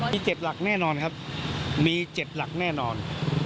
มี๗หลักแน่นอนครับมี๗หลักแน่นอน